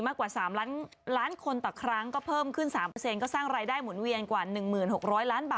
มดดำเขายืนสองคัวอยู่แล้วอะไรนะ